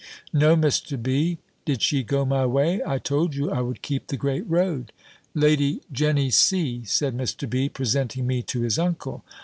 "No, Mr. B. Did she go my way? I told you I would keep the great road." "Lady Jenny C.," said Mr. B., presenting me to his uncle.